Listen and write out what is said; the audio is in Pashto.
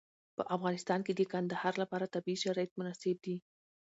په افغانستان کې د کندهار لپاره طبیعي شرایط مناسب دي.